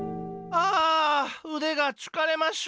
あうでがつかれます。